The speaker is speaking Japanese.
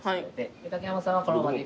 竹山さんはこの場でいくか。